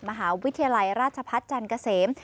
มหาวิทยาลัยราชพัฒน์จันทร์เกษม